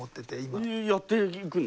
えやっていくの？